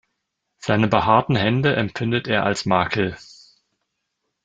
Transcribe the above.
Seine behaarten Hände empfindet er als Makel.